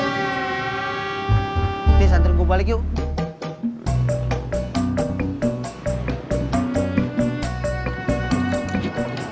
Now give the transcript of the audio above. nanti santri gue balik yuk